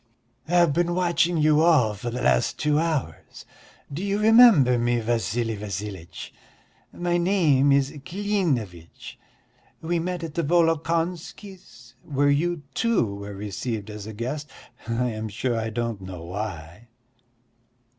"I've been watching you all for the last two hours. Do you remember me, Vassili Vassilitch? My name is Klinevitch, we met at the Volokonskys' where you, too, were received as a guest, I am sure I don't know why."